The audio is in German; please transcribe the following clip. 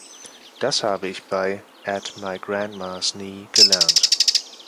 Das habe ich bei at my grandma's knee gelernt.